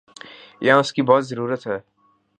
یہاں اس کی بہت ضرورت ہے۔